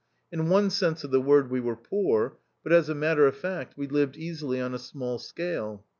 In one sense of the word we were poor ; but, as a matter of fact, we lived easily on a small scale.